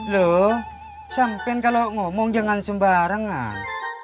lu sampein kalau ngomong jangan sembarang ah